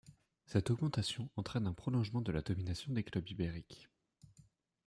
Cette augmentation entraîne un prolongement de la domination des clubs ibériques.